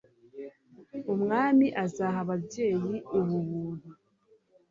Umwami azaha ababyeyi ubu buntu